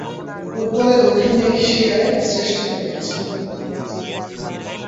ফুটবলে দক্ষিণ এশিয়ার শ্রেষ্ঠত্ব পেয়েছে।